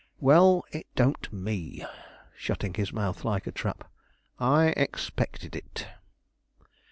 Well, it don't me," shutting his mouth like a trap. "I expected it."